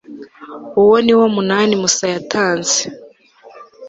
uwo ni wo munani musa yatanze